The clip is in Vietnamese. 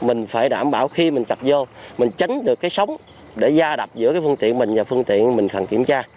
mình phải đảm bảo khi mình cặp vô mình tránh được cái sóng để gia đập giữa cái phương tiện mình và phương tiện mình cần kiểm tra